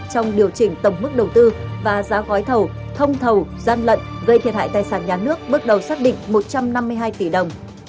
trong điều chỉnh tổng mức đầu tư và giá gói thầu thông thầu gian lận gây thiệt hại tài sản nhà nước bước đầu xác định một trăm năm mươi hai tỷ đồng